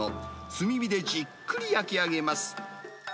炭火でじっくり焼き上げます。